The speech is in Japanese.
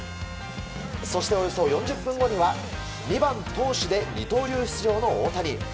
そして、およそ４０分後には２番投手で二刀流出場の大谷。